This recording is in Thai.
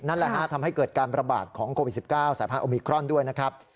นั่นแหละฮะทำให้เกิดการประบาดของโควิด๑๙สายพันธุมิครอนด้วยนะครับ